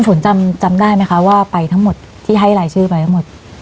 ฝนจำได้ไหมคะว่าไปทั้งหมดที่ให้รายชื่อไปทั้งหมด